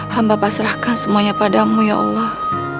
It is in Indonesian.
hamba pasrahkan semuanya padamu ya allah